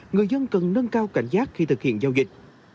người dân cần nâng cao cảnh giác khi thực hiện giao dịch